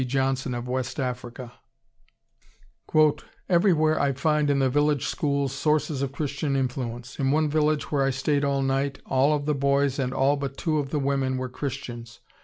Johnson of West Africa: "Everywhere I find in the village schools sources of Christian influence. In one village where I stayed all night, all of the boys and all but two of the women were Christians.